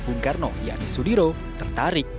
bung karno yakni sudiro tertarik